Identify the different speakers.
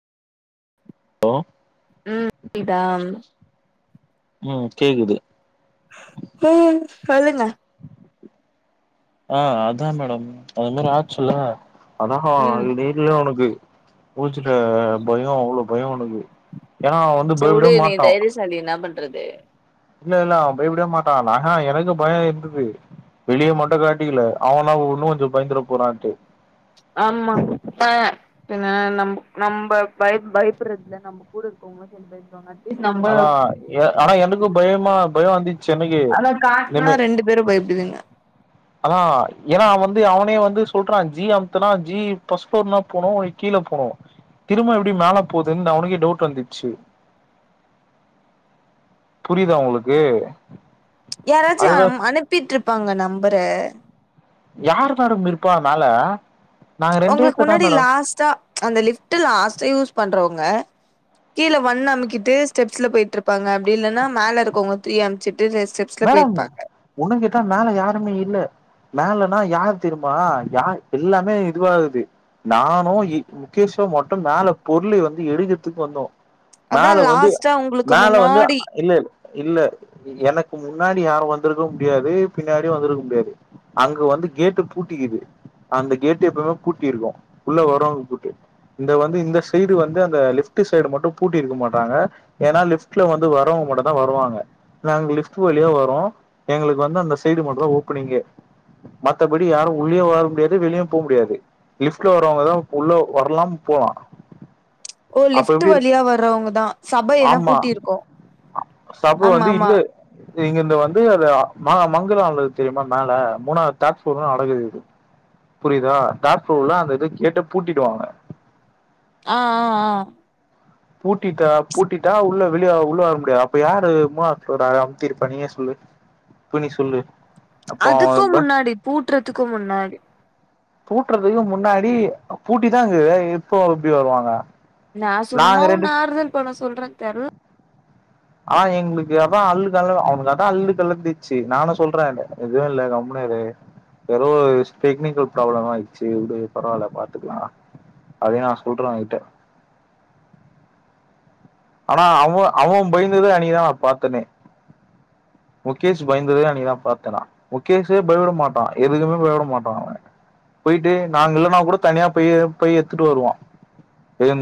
Speaker 1: ஓ.
Speaker 2: ம் இதாம்.
Speaker 1: ம் கேக்குது
Speaker 2: சொல்லுங்க
Speaker 1: ஆ அதா மேடம் அது மாரி ஆச்சுல்ல அதாங்கா
Speaker 2: ம்
Speaker 1: அள் [unintelligible] அவுனுக்கு குள்ச்சிட்டு பயோ அவ்ளோ ஃபய அவ்னுனக்கு ஏன்னா அவ வந்து
Speaker 2: சே உடு
Speaker 1: பயப்படவே
Speaker 2: நீ
Speaker 1: மாட்டா
Speaker 2: தைரியசாலி என்னா பண்றது
Speaker 1: இல்ல இல்ல அவ பய்ப்டவே மாட்டா ந ஹ எனக்கு பயோ இர்ந்துது வெளிய மட்டு காட்டிக்கில அவனா ஒன்னு கொஞ்சோ பய்ந்துர போறான்ட்டு
Speaker 2: ஆமா பா ஏன்னா நம் நம்ப பய பயப்பறதுதா நம்ப கூட இருக்குவங்களு சேந்து பயந்த்றுவாங்க
Speaker 1: ஆனா எ ஆனா எனக்கு பயமா பயோ வந்துச்சு எனக்கு
Speaker 2: ஆனா ரெண்டு பேரு பய்ப்டுவிங்க
Speaker 1: அதா ஏன்னா வந்து அவனே வந்து சொல்றா ஜி அம்த்துனா ஜி ஃபஸ் ஃபுளோர்னா போனு கீழ போனு திரும்ப எப்டி மேலே போதுன் அவுனுக்கே டவுட் வந்துச்சு புரிதா உங்களுக்கு
Speaker 2: யாராச்சு
Speaker 1: அதுல
Speaker 2: அம் அனுப்பிட்ருப்பாங்க நம்பர
Speaker 1: யாரு மேடம் இருப்பாங் மேல நாங்க ரெண்டே
Speaker 2: உங்ளுக்
Speaker 1: பேர் தான்
Speaker 2: முன்னாடி
Speaker 1: மேடம்
Speaker 2: லாஸ்ட்டா அந்த லிஃப்ட்டு லாஸ்ட்டா யூஸ் பண்றவங்க கீழ ஒண்ண அமுக்கிட்டு ஸ்டெப்ஸ்ல போய்ட்டுருப்பாங்க அப்டி இல்லனா மேல இருக்கோவ்ங்க த்ரீய அம்ச்சிட்டு ர செப்
Speaker 1: மேடம் உன்னுங்கேட்டா மேல யாருமே இல்ல மேலன்னா யார் தெரிமா யா எல்லாமே இதுவாகுது நானு இ முகேஷூ மட்டு மேல பொருளு வந்து எடுக்கிற்துக் வந்தோ
Speaker 2: அதா
Speaker 1: மேல வந்து
Speaker 2: லாஸ்ட்டா உங்களுக்கு
Speaker 1: மேல வந்து
Speaker 2: முன்னாடி
Speaker 1: இல்ல இல்ல எனக் கு முன்னாடி யாரு வந்திருக்க முடியாது பின்னாடியு வந்திருக்க முடியாது அங்கு வந்து கேட்டு பூட்டிக்கிது அந்த கேட்டு எப்பவுமே பூட்டியிருக்கு உள்ள வரவங்க பூட்டி இந்த வந்து இந்த சைடு வந்து அந்த லிஃப்ட்டு சைடு மட்டு பூட்டி இருக்க மாட்டாங்க ஏனா லிஃப்ட்ல வந்து வரவங் மட்டதா வருவாங்க நாங்க லிஃப் டு வழியா வரு எங்களுக்கு வந்து அந்த சைடு மட்டுதா ஓப்பனிங்கே மத்தபடி யாரு உள்ளயே வர முடியாது வெளியு போம் முடியாது லிஃப்ட்ல வர்றவங்கதா உள்ள வரலாம் போலா
Speaker 2: ஓ லிஃப்ட்டு வழியா வர்றவங்க தா சபை எதுனா
Speaker 1: ஆமா
Speaker 2: பூட்டியிருக்கோ
Speaker 1: சப வந்து இல்ல இங்கிருந்து வந்து அது ம மங்கள அவுங்கள தெரியுமா மேல மூணாத் டாப்ஸ் ஃபுளோர் னா [unintelligible] புரியிதா டாப் ஃப்ளோ உள்ள அந்த இத கேட்ட பூட்டிடுவாங்க
Speaker 2: ஆ ஆ ஆ
Speaker 1: பூட்டிட்டா பூட்டிட்டா உள்ள வெளிய உள்ள வர முடியாத் அப்ப யாரு மூனாவத் ஃப்ளோர அட அம் த்திரிப்பா நீயே சொல்லு இப்போ நீ சொல்லு அப்போ
Speaker 2: அதுக்கு முன்னாடி பூட்டறதுக்கு முன்னாடி
Speaker 1: பூட்டறதுக்கு முன்னாடி பூட்டிதாகிது இப்போ எப்டி வருவாங்க
Speaker 2: நா சும்மா
Speaker 1: நாங்க ரெண்டு
Speaker 2: உன்ன ஆறுதல் பண்ண சொல்ற தெர்
Speaker 1: ஆ எங்களுக்கு அதா அல்லு கல்துக்கோ அவனுக்கு அதா அல்லு கலத்தச்சு நானு சொல்றே எதுவு இல்ல கம்முனிரு எதோ ஒரு டெக்னிக்கல் ப்ராப்ளம் ஆயிடுச்சு உடு பரவால்ல பாத்துக்கலா அதையு நா சொல்றே அவங்கிட்ட ஆனா அவ அவ பயந்துத அன்னிக்கு தா நா பாத்தனே முகேஷ் பய்ந்துதே அன்னிக்கு பாத்த நா முக்கேஷே பயிபட மாட்டா எதுக்குமே பயிபட மாட்டா அவே போயிட்டு நாங்க இல்லன்னா கூடோ தனியா போயி போயி எத்துட்டு வருவான்